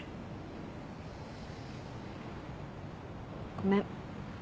ごめん。